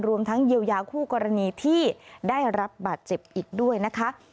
รวมทั้งเยียวยาคู่กรณีที่ได้รับบาดเจ็บอีกด้วยนะคะ